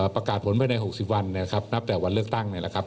ประกาศผลภายใน๖๐วันนะครับนับแต่วันเลือกตั้งนี่แหละครับ